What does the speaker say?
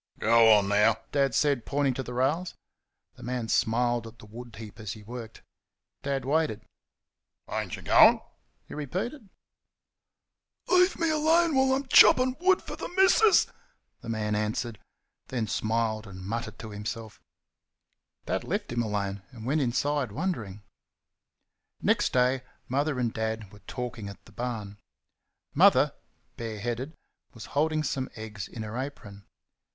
"Go on, now!" Dad said, pointing to the rails. The man smiled at the wood heap as he worked. Dad waited. "Ain't y' going?" he repeated. "Leave me alone when I'm chopping wood for the missus," the man answered; then smiled and muttered to himself. Dad left him alone and went inside wondering. Next day Mother and Dad were talking at the barn. Mother, bare headed, was holding some eggs in her apron.